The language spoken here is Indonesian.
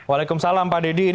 waalaikumsalam pak deddy